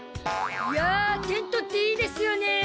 いやテントっていいですよね。